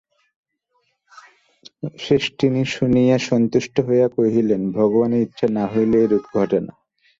শ্রেষ্ঠিনী শুনিয়া সন্তুষ্ট হইয়া কহিলেন, ভগবানের ইচ্ছা না হইলে এরূপ ঘটে না।